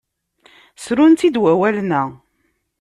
Ssrun-tt-id wawalen-a.